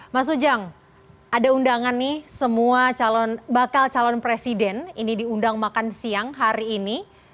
mas ujang ada undangan nih semua bakal calon presiden ini diundang makan siang hari ini